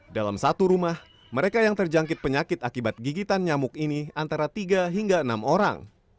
dalam satu rumah mereka yang terjangkit penyakit akibat gigitan nyamuk ini antara tiga hingga enam orang